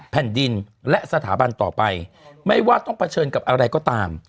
แผ่นดินและสถาบันต่อไปไม่ว่าต้องเผชิญกับอะไรก็ตาม